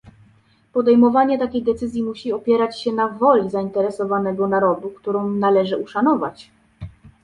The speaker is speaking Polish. podejmowanie takiej decyzji musi opierać się na woli zainteresowanego narodu, którą należy uszanować